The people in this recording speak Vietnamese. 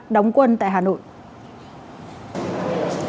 quân tại hà nội